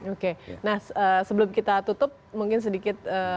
oke nah sebelum kita tutup mungkin sedikit